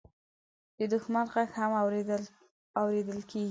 د دښمن غږ هم اورېدل کېږي.